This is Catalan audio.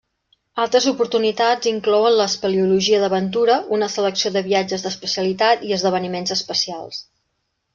Altres oportunitats inclouen l'espeleologia d'aventura, una selecció de viatges d'especialitat i esdeveniments especials.